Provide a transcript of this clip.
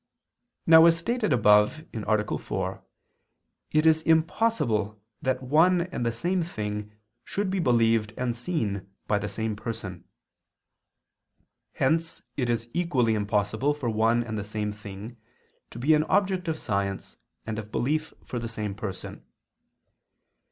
Now as stated above (A. 4), it is impossible that one and the same thing should be believed and seen by the same person. Hence it is equally impossible for one and the same thing to be an object of science and of belief for the same person.